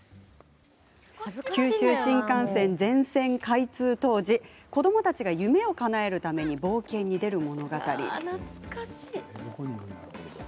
九州新幹線、全線開通当時子どもたちが夢をかなえるために冒険に出る物語です。